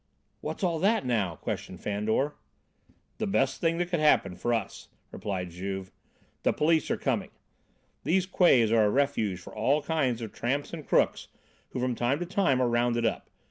"What's all that now?" questioned Fandor. "The best thing that could happen for us," replied Juve. "The police are coming. These quays are a refuge for all kinds of tramps and crooks who from time to time are rounded up.